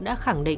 đã khẳng định